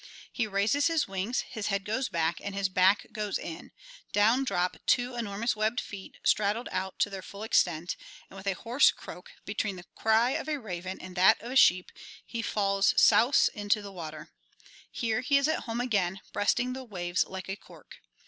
He raises his wings, his head goes back, and his back goes in; down drop two enormous webbed feet straddled out to their full extent, and with a hoarse croak, between the cry of a raven and that of a sheep, he falls 'souse* into the water. Here he is at home again, breasting the waves like a cork.